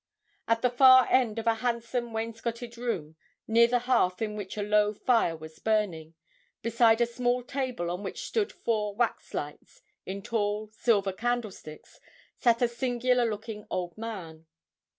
At the far end of a handsome wainscoted room, near the hearth in which a low fire was burning, beside a small table on which stood four waxlights, in tall silver candlesticks, sat a singular looking old man.